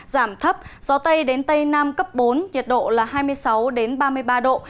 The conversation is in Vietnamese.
giảm thấp gió tây đến tây nam cấp bốn nhiệt độ là hai mươi sáu ba mươi ba độ